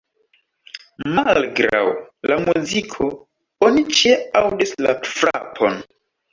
Malgraŭ la muziko, oni ĉie aŭdis la frapon.